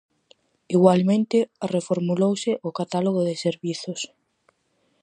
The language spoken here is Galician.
Igualmente, reformulouse o Catálogo de Servizos.